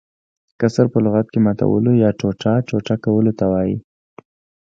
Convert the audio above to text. کسر په لغت کښي ماتولو يا ټوټه - ټوټه کولو ته وايي.